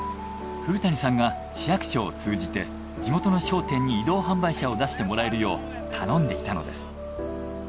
古谷さんが市役所を通じて地元の商店に移動販売車を出してもらえるよう頼んでいたのです。